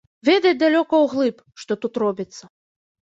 Ведаць далёка ўглыб, што тут робіцца.